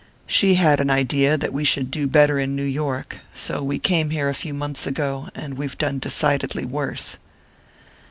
She had an idea that we should do better in New York so we came here a few months ago, and we've done decidedly worse."